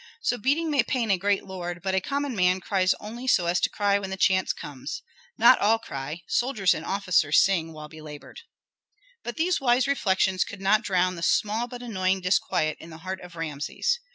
So beating may pain a great lord, but a common man cries only so as to cry when the chance comes. Not all cry; soldiers and officers sing while belabored." But these wise reflections could not drown the small but annoying disquiet in the heart of Rameses.